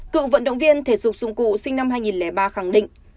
cựu vận động viên thể dục dụng cụ sinh năm hai nghìn ba khẳng định